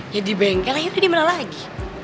ya di bengkel yaudah dimana lagi